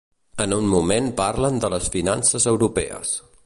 En un moment parlen de les finances europees.